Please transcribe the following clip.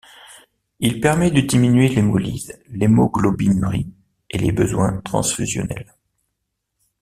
Il permet de diminuer l'hémolyse, l'hémoglobinurie et les besoins transfusionnels.